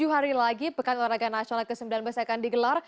tujuh hari lagi pekan orang rakyat nasional ke sembilan besarkan digelar